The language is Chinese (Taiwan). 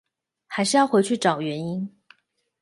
還是要回去找原因